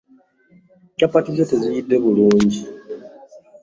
Kyapati zo teziyidde bulungi.